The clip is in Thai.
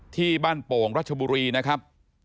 ที่บ้านโป่งรัชบุรีนะครับ